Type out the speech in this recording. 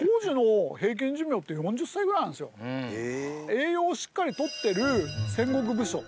要するにね栄養をしっかりとってる戦国武将。